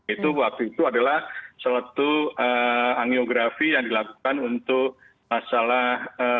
itu waktu itu adalah seletu anggiografi yang dilakukan untuk masalah